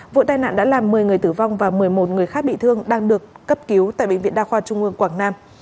vụ tai nạn đã làm một mươi người tử vong và một mươi một người khác bị thương đang được cấp cứu tại bệnh viện đa khoa trung ương quảng nam